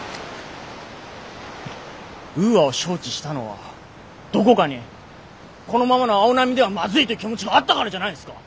ウーアを招致したのはどこかにこのままの青波ではまずいという気持ちがあったからじゃないんですか。